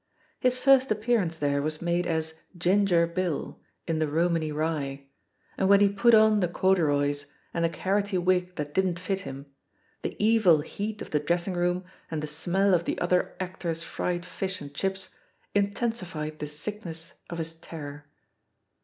His first appearance; there was made as "Ginger Bill'* in The Romany Rye, and when he put on the corduroys, and the car roty wig that didn't fit him, the evil heat of the dressing room and the smell of the other actors' fried fish and chips intensified the sickness of his terror.